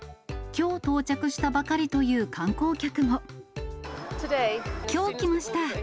きょう到着したばかりというきょう来ました。